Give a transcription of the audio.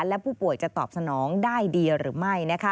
และผู้ป่วยจะตอบสนองได้ดีหรือไม่